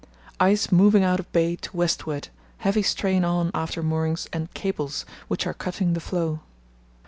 —Ice moving out of bay to westward; heavy strain on after moorings and cables, which are cutting the floe."